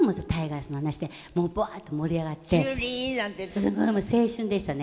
すごいもう青春でしたね。